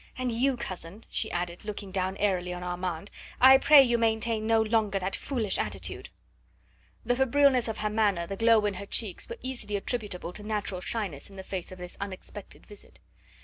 And you, cousin," she added, looking down airily on Armand, "I pray you maintain no longer that foolish attitude." The febrileness of her manner, the glow in her cheeks were easily attributable to natural shyness in face of this unexpected visit.